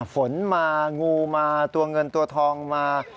ฝนมางูมาตัวเงินตัวทองมา